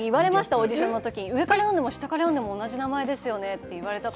オーディションの時、上から読んでも下から読んでも同じですよねって。